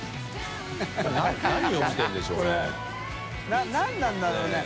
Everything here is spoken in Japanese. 海何なんだろうね？